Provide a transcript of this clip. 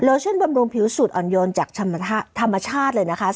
เช่นบำรุงผิวสูตรอ่อนโยนจากธรรมชาติเลยนะคะ